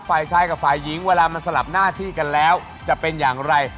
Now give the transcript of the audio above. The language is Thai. ฝ่ายชายกับฝ่ายหญิงเวลามันสลับหน้าที่กันแล้วจะเป็นอย่างไร